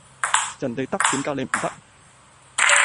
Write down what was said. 人哋得點解你唔得